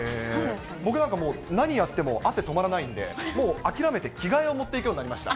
僕なんかもう、何やっても汗止まらないんで、もう諦めて、着替えを持っていくようになりました。